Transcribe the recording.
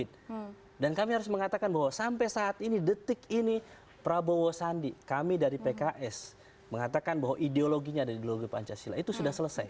dan kami harus mengatakan bahwa sampai saat ini detik ini prabowo sandi kami dari pks mengatakan bahwa ideologinya dari ideologi pancasila itu sudah selesai